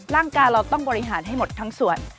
ร่างกายเราต้องบริหารให้หมดทั้งส่วน